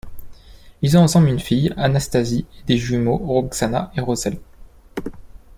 Ils ont ensemble une fille Anastázie et des jumeaux Roxana et Rozálie.